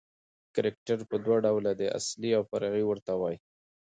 کرکټر په دوه ډوله دئ، اصلي اوفرعي ورته وايي.